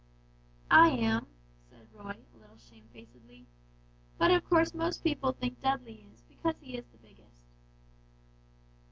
"I am," said Roy, a little shamefacedly; "but of course most people think Dudley is, because he is the biggest."